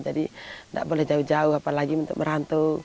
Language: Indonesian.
jadi tidak boleh jauh jauh apalagi untuk merantau